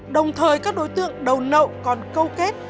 đồng thời các đối tượng đầu nậu còn câu kết